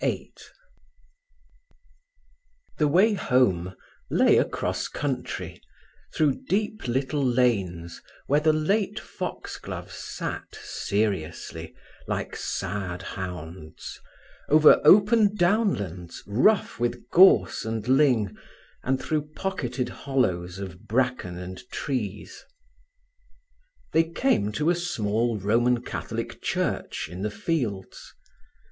VIII The way home lay across country, through deep little lanes where the late foxgloves sat seriously, like sad hounds; over open downlands, rough with gorse and ling, and through pocketed hollows of bracken and trees. They came to a small Roman Catholic church in the fields.